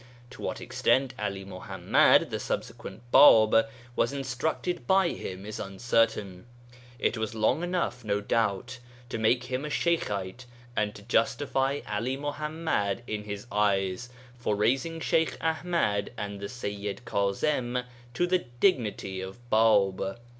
To what extent 'Ali Muḥammad (the subsequent Bāb) was instructed by him is uncertain. It was long enough no doubt to make him a Sheykhite and to justify 'Ali Muḥammad in his own eyes for raising Sheykh Aḥmad and the Seyyid Kaẓim to the dignity of Bāb.